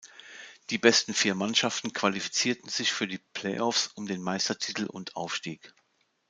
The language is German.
Die besten vier Mannschaften qualifizierten sich für die Playoffs um den Meistertitel und Aufstieg.